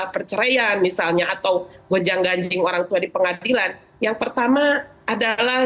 perceraian misalnya atau gojang ganjing orangtua di pengadilan yang pertama adalah